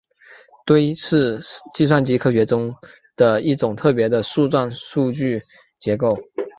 堆是计算机科学中的一种特别的树状数据结构。